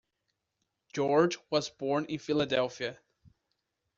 George was born in Philadelphia.